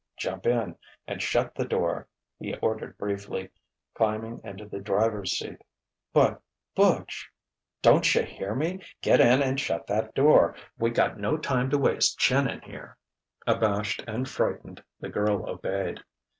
"Jump in and shut the door," he ordered briefly, climbing into the driver's seat. "But Butch " "Doncha hear me? Get in and shut that door. We got no time to waste chinnin' here." Abashed and frightened, the girl obeyed.